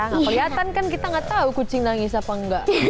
gak keliatan kan kita gak tau kucing nangis apa enggak